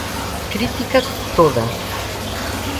Crítica, toda.